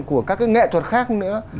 của các cái nghệ thuật khác nữa